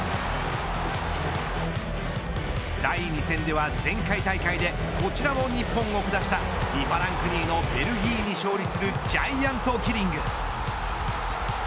第２戦では前回大会でこちらも日本を下したＦＩＦＡランク２位のベルギーに勝利するジャイアントキリング。